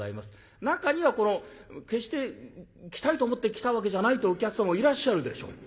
中にはこの決して来たいと思って来たわけじゃないってお客様もいらっしゃるでしょう。